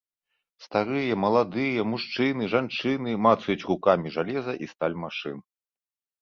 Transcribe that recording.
Старыя, маладыя, мужчыны, жанчыны мацаюць рукамі жалеза і сталь машын.